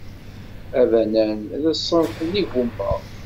Abanan d ṣṣenf n yigumma.